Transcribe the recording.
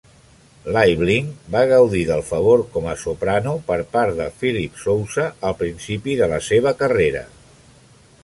Liebling va gaudir del favor com a soprano per part de Philip Sousa al principi de la seva carrera.